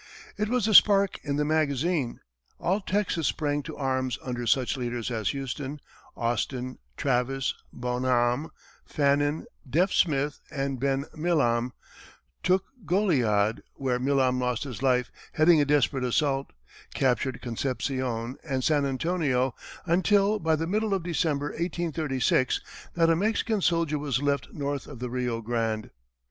It was the spark in the magazine. All Texas sprang to arms under such leaders as Houston, Austin, Travis, Bonham, Fannin, "Deaf" Smith, and "Ben" Milam; took Goliad, where Milam lost his life heading a desperate assault; captured Concepçion and San Antonio, until, by the middle of December, 1836, not a Mexican soldier was left north of the Rio Grande.